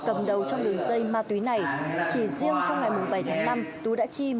cầm đầu trong đường dây ma túy này chỉ riêng trong ngày bảy tháng năm tú đã chi